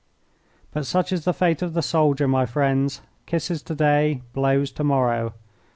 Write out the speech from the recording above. But such is the fate of the soldier, my friends kisses to day, blows to morrow.